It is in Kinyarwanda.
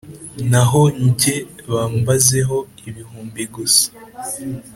naho jye bambazeho ibihumbi gusa.